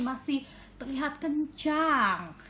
masih terlihat kencang